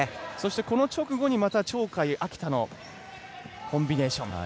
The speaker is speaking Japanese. この直後に、鳥海と秋田のコンビネーション。